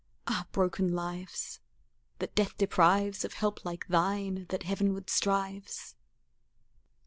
Ah, broken lives That death deprives Of help like thine that heavenward strives!